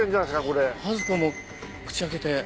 これ・ハゼ子も口開けて。